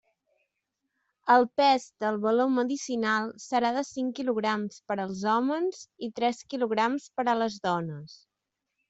El pes del baló medicinal serà de cinc quilograms per als hòmens i tres quilograms per a les dones.